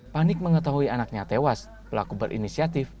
panik mengetahui anaknya tewas pelaku berinisiatif